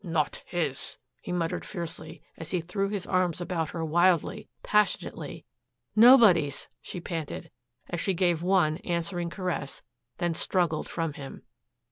"Not his," he muttered fiercely as he threw his arms about her wildly, passionately. "Nobody's," she panted as she gave one answering caress, then struggled from him.